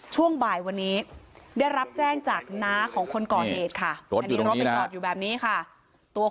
ช่วงบ่ายวันนี้ได้รับแจ้งจากน้าของคนก่อเหตุค่ะ